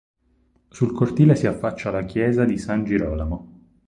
Sul cortile si affaccia la Chiesa di San Girolamo.